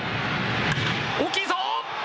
大きいぞ。